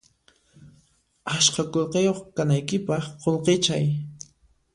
Askha qullqiyuq kanaykipaq qullqichay